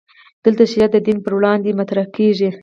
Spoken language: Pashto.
دلته شریعت د دین پر وړاندې مطرح کېږي.